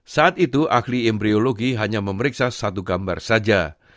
saat itu ahli embrologi hanya memeriksa satu gambar saja